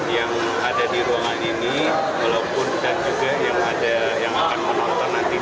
yang ada di ruangan ini walaupun dan juga yang akan menonton nanti di youtube nya siang ini